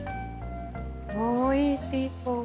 おいしそう。